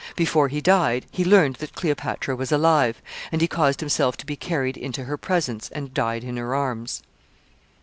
Before he died, he learned that Cleopatra was alive, and he caused himself to be carried into her presence and died in her arms.